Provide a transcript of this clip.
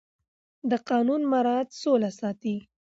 د قانون مراعت سوله ساتي